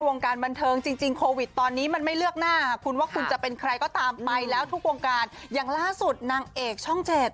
วงการบันเทิงจริงจริงโควิดตอนนี้มันไม่เลือกหน้าคุณว่าคุณจะเป็นใครก็ตามไปแล้วทุกวงการอย่างล่าสุดนางเอกช่องเจ็ด